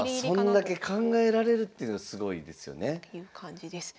そんだけ考えられるっていうのすごいですよね。という感じです。